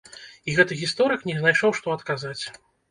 І гэты гісторык не знайшоў што адказаць.